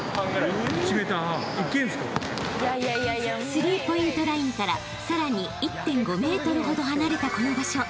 ［スリーポイントラインからさらに１．５ｍほど離れたこの場所］